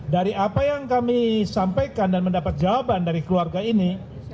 dari apa yang kami sampaikan dan mendapat jawaban dari keluarga ini